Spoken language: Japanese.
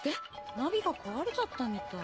ナビが壊れちゃったみたい。